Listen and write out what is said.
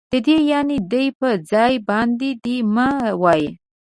دا دی يعنې دے په ځای باندي دي مه وايئ